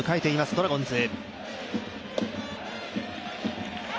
ドラゴンズ。